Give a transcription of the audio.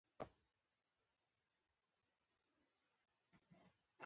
وېرې، حیرانۍ او اضطراب په هر ځای کې سیوری غوړولی و.